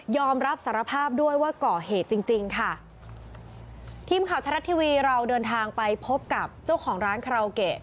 อมรับสารภาพด้วยว่าก่อเหตุจริงจริงค่ะทีมข่าวไทยรัฐทีวีเราเดินทางไปพบกับเจ้าของร้านคาราโอเกะ